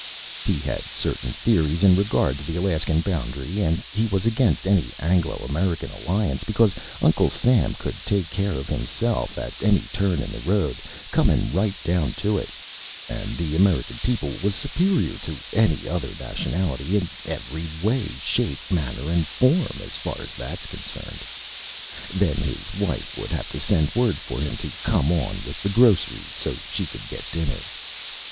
He had certain Theories in regard to the Alaskan Boundary and he was against any Anglo American Alliance becuz Uncle Sam could take care of himself at any Turn in the Road, comin' right down to it, and the American People wuz superior to any other Naytionality in every Way, Shape, Manner and Form, as fur as that's concerned. Then his Wife would have to send Word for him to come on with the Groceries so she could get Dinner.